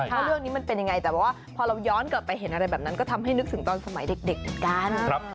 ว่าเรื่องนี้มันเป็นยังไงแต่ว่าพอเราย้อนกลับไปเห็นอะไรแบบนั้นก็ทำให้นึกถึงตอนสมัยเด็กเหมือนกัน